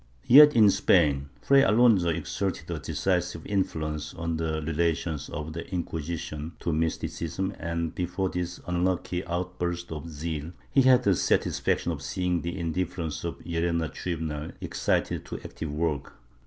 ^ Yet, in Spain, Fray Alonso exerted a decisive influence on the relations of the Inquisition to mysticism and, before this unlucky outburst of zeal, he had the satisfaction of seeing the indifference of the Llerena tribunal excited to active work.